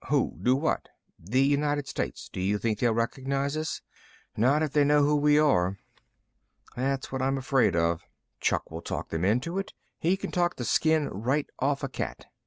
"Who do what?" "The United States. Do you think they'll recognize us?" "Not if they know who we are." "That's what I'm afraid of." "Chuck will talk them into it. He can talk the skin right off a cat."